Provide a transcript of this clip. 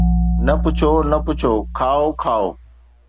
نه پڇو، نه پڇو، کائو کائو